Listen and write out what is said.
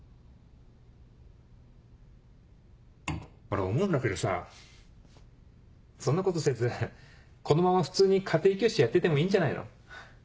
俺思うんだけどさそんなことせずこのまま普通に家庭教師やっててもいいんじゃないの？